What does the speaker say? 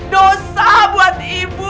dosa buat ibu